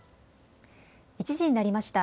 １時になりました。